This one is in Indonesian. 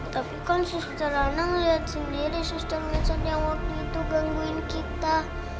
tapi kan suster anak melihat sendiri suster mesot yang waktu itu gangguin kita